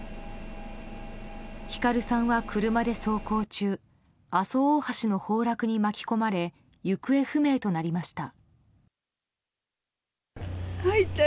晃さんは車で走行中阿蘇大橋の崩落に巻き込まれ行方不明となりました。